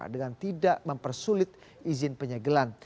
dengan tidak mempersulit izin penyegelan